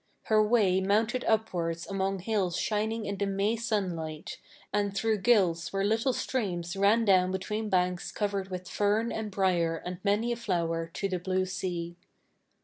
Her way mounted upwards among hills shining in the May sunlight, and through gills where little streams ran down between banks covered with fern and briar and many a flower, to the blue sea.